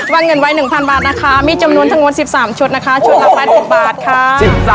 วางเงินไว้๑๐๐บาทนะคะมีจำนวนทั้งหมด๑๓ชุดนะคะชุดละ๘๐บาทค่ะ